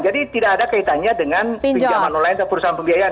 jadi tidak ada kaitannya dengan pinjaman online atau perusahaan pembiayaan